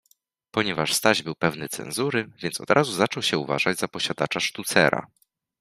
Ponieważ Staś był pewny cenzury, więc od razu zaczął się uważać za posiadacza sztucera.